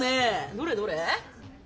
どれどれ？